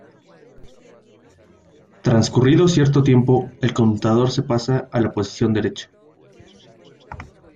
Transcurrido cierto tiempo el conmutador se pasa a la posición derecha.